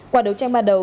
quả đấu tranh bắt đầu